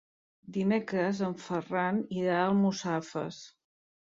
Dimecres en Ferran irà a Almussafes.